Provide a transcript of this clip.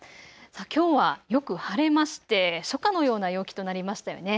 きょうはよく晴れまして初夏のような陽気となりましたよね。